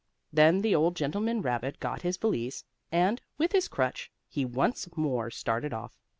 Then the old gentleman rabbit got his valise, and, with his crutch, he once more started off.